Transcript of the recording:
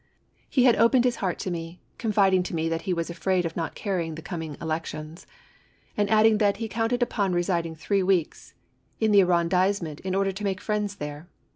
He had opened his heart to me, confiding to me that ho was afraid of not carrying the coming elections and adding that he counted upon residing three weeks in the ar rondisseinent in order to make friends there.